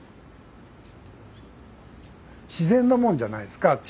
自然のものじゃないですか。